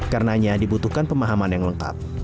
karenanya dibutuhkan pemahaman yang lengkap